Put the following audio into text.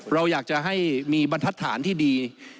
เราอยากจะให้มีบรรทัศนที่ดี